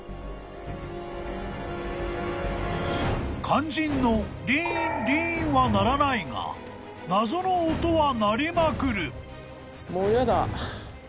［肝心のリーンリーンは鳴らないが謎の音は鳴りまくる］